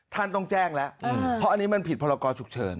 ท่านต้องแจ้งแล้วเพราะอันนี้มันผิดพรกรฉุกเฉิน